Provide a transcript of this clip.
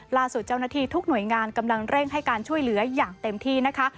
ล่าสุดเจ้าหน้าที่ทุกหน่วยงานกำลังเร่งให้การช่วยเหลืออย่างเต็มที่นะคะ